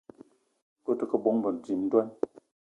Ngue ute ke bónbô, dím ndwan